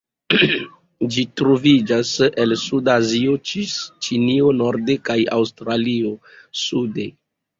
Ĝi troviĝas el suda Azio, ĝis Ĉinio norde kaj Aŭstralio sude.